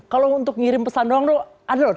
kalau untuk ngirim pesan doang tuh ada lho